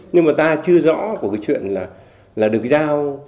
nhưng mà ta chưa rõ của cái chuyện là được giao